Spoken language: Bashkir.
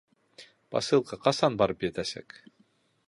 Посылка ҡасан барып етәсәк?